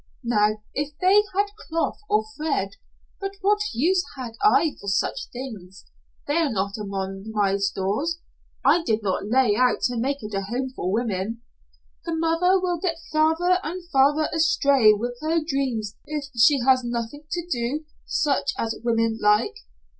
Now, if they had cloth or thread but what use had I for such things? They're not among my stores. I did not lay out to make it a home for women. The mother will get farther and farther astray with her dreams if she has nothing to do such as women like."